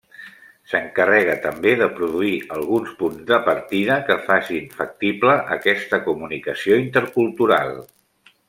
S'encarrega també de produir alguns punts de partida que facin factible aquesta comunicació intercultural.